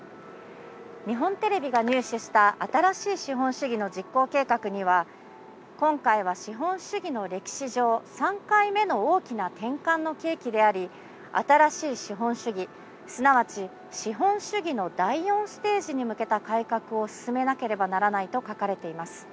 日本テレビが入手した新しい資本主義の実行計画には、今回は資本主義の歴史上３回目の大きな転換の契機であり、新しい資本主義、すなわち資本主義の第４ステージに向けた改革を進めなければならないと書かれています。